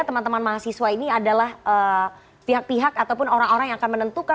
teman teman mahasiswa ini adalah pihak pihak ataupun orang orang yang akan menentukan